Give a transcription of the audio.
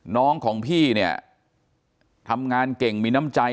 น้องของพี่เนี่ยทำงานเก่งมีน้ำใจ